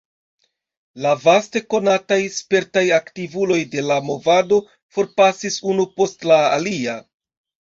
La vaste konataj, spertaj aktivuloj de la movado forpasis unu post la alia.